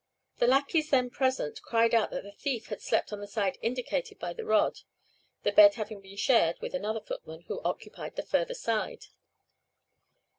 The lackeys then present cried out that the thief had slept on the side indicated by the rod, the bed having been shared with another footman, who occupied the further side."